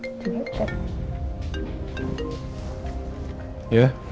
ya bentar ya